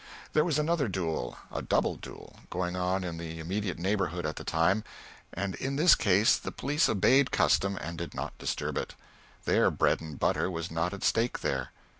There was another duel a double duel going on in the immediate neighborhood at the time, and in this case the police obeyed custom and did not disturb it. Their bread and butter was not at stake there.